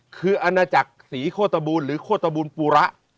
คืออันนั้นจากศรีโคตบูรณ์หรือโคตบูรณ์ปุระ